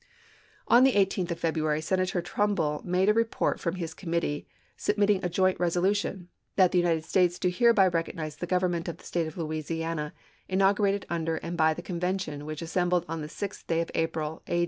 " On the 18th of February Senator Trumbull made a report from his committee submitting a joint resolution "that the United States do hereby recognize the Government of the State of Louisi ana, inaugurated under and by the Convention which assembled on the 6th day of April, a.